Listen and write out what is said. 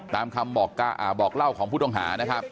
ตามคำบอกเล่าของผู้ต้องหานะครับ